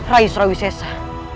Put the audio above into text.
rai surawi sesa